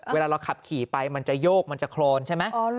เวลาเราขับขี่ไปมันจะโยกมันจะโครนใช่ไหม